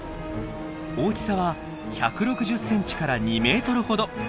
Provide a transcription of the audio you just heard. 大きさは１６０センチから２メートルほど。